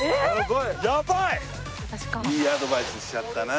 いいアドバイスしちゃったな。